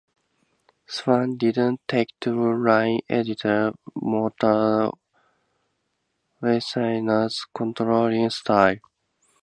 Swan didn't take to line editor Mort Weisinger's controlling style.